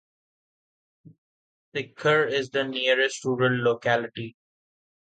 Sikar is the nearest rural locality.